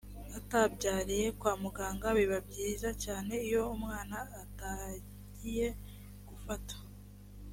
atabyariye kwa muganga biba byiza cyane iyo umwana atangiye gufata